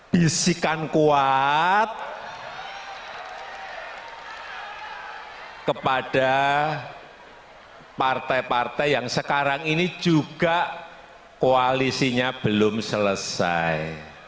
bisikan kuat kepada partai partai yang sekarang ini juga koalisinya belum selesai